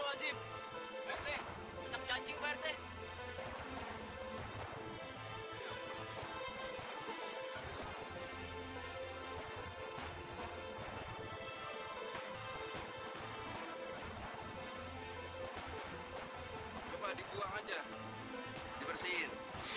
wah mungkin banyak saja pak rt